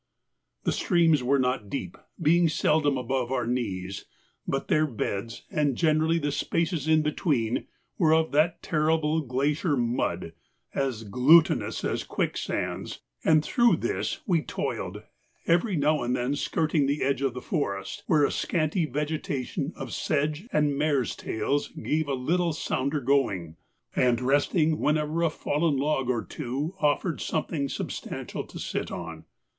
The streams were not deep, being seldom above our knees, but their beds, and generally the spaces in between, were of that terrible glacier mud, as glutinous as quicksands, and through this we toiled, every now and then skirting the edge of the forest, where a scanty vegetation of sedge and marestails gave a little sounder going, and resting whenever a fallen log or two offered something substantial to sit on.